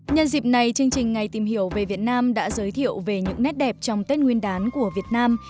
nhân dịp này chương trình ngày tìm hiểu về việt nam đã giới thiệu về những nét đẹp trong tết nguyên đán của việt nam